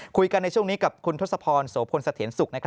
คุยกันในช่วงนี้กับคุณทศพรโสพลสะเทียนสุข